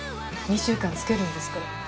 ２週間漬けるんですから。